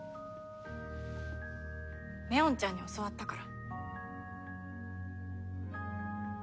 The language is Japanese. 祢音ちゃんに教わったから。